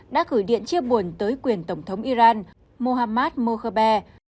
đã gửi điện chia buồn tới quyền tổng thống iran mohammad mokhe